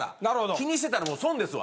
気にしてたらもう損ですわ。